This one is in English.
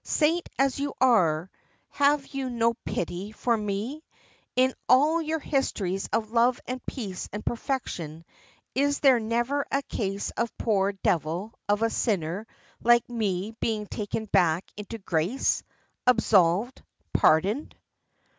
Saint as you are, have you no pity for me? In all your histories of love and peace and perfection is there never a case of a poor devil of a sinner like me being taken back into grace absolved pardoned?"